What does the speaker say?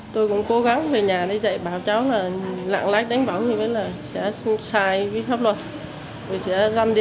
tôi cũng cố gắng về nhà để dạy bảo cháu là lạng lách đánh võng thì sẽ sai với tháp luật